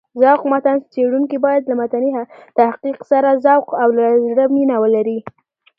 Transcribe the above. ذوق متن څېړونکی باید له متني تحقيق سره ذوق او له زړه مينه ولري.